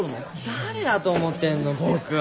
誰だと思ってんの僕を。